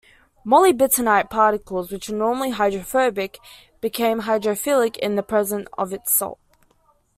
Molybdenite particles, which are normally hydrophobic, become hydrophilic in the presence of this salt.